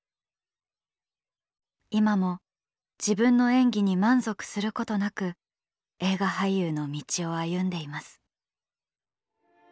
「いまも自分の演技に満足することなく映画俳優の道を歩んでいます」。